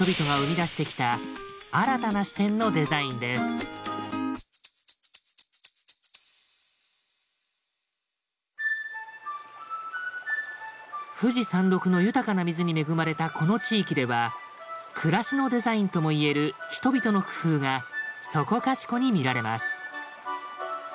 静岡で見つけたのは富士山麓の豊かな水に恵まれたこの地域では暮らしのデザインとも言える人々の工夫がそこかしこに見られます。